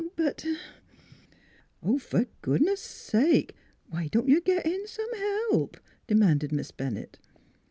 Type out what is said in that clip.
But "" Fer goodness sake why don't you git in some help?" demanded Miss Bennett.